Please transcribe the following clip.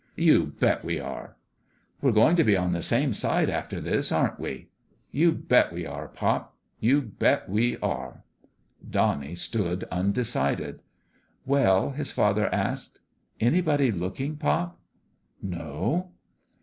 " You bet we are !"" We're going to be on the same side, after this, aren't we?" 296 FATHER. AND SON "You bet we are, pop I" " You bet we are 1 " Bonnie stood undecided. " Well?" his father asked. "Anybody looking, pop?" "No."